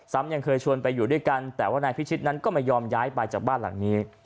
ยังเคยชวนไปอยู่ด้วยกันแต่ว่านายพิชิตนั้นก็ไม่ยอมย้ายไปจากบ้านหลังนี้